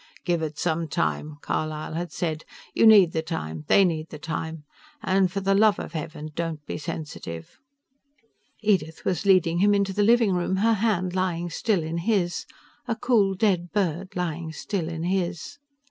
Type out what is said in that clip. "Give it some time," Carlisle had said. "You need the time; they need the time. And for the love of heaven, don't be sensitive." Edith was leading him into the living room, her hand lying still in his, a cool, dead bird lying still in his.